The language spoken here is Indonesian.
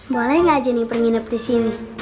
boleh gak jennifer nginep disini